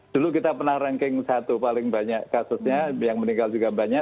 dulu kita pernah ranking satu paling banyak kasusnya yang meninggal juga banyak